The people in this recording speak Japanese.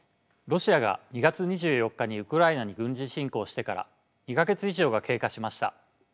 ロシアが２月２４日にウクライナに軍事侵攻してから２か月以上が経過しました。